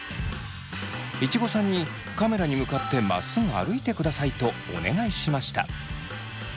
いちごさんに「カメラに向かってまっすぐ歩いてください」とお願いしました。